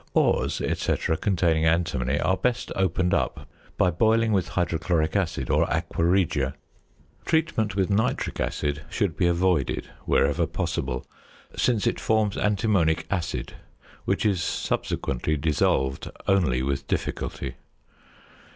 ~ Ores, &c., containing antimony are best opened up by boiling with hydrochloric acid or aqua regia; treatment with nitric acid should be avoided wherever possible, since it forms antimonic acid, which is subsequently dissolved only with difficulty.